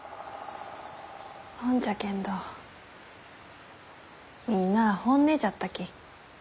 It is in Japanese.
ほんじゃけんどみんなあ本音じゃったき。